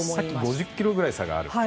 ５０キロぐらいの差があると。